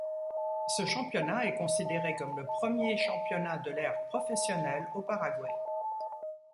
Ce championnat est considéré comme le premier championnat de l’ère professionnelle au Paraguay.